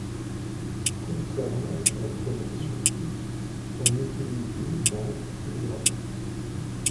Contrairement aux présentations typiques, elle n'utilise ni images ni graphiques.